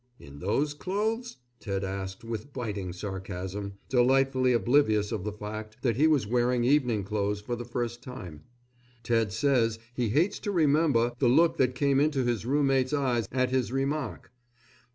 "In those clothes?" Ted asked with biting sarcasm, delightfully oblivious of the fact that he was wearing evening clothes for the first time. Ted says he hates to remember the look that came into his roommate's eyes at his remark.